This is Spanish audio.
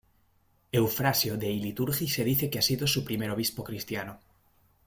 Eufrasio de Iliturgi se dice que ha sido su primer obispo cristiano.